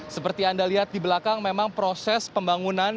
seperti anda lihat di belakang memang proses pembangunan